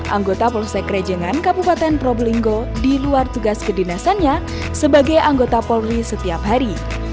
anggota polsek rejangan kabupaten probolinggo diluar tugas kedinasannya sebagai anggota polri setiap hari